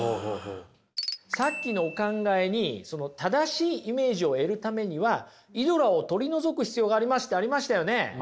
さっきのお考えにその「正しいイメージを得るためにはイドラを取り除く必要があります」ってありましたよね。